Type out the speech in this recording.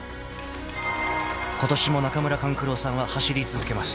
［ことしも中村勘九郎さんは走り続けます］